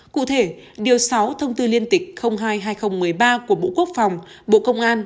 cụ thể điều sáu thông tư liên tịch hai hai nghìn một mươi ba của bộ quốc phòng bộ công an